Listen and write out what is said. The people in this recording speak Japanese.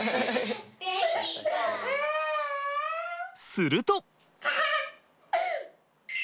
すると。